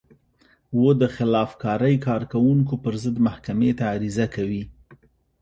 و د خلاف کارۍ کوونکو پر ضد محکمې ته عریضه کوي.